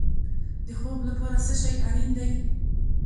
د خوب لپاره څه شی اړین دی؟